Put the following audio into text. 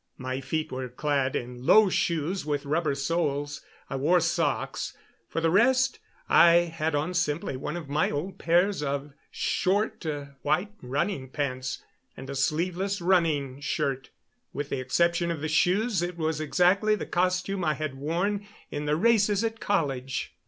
My feet were clad in low shoes with rubber soles. I wore socks. For the rest, I had on simply one of my old pairs of short, white running pants and a sleeveless running shirt. With the exception of the shoes it was exactly the costume I had worn in the races at college.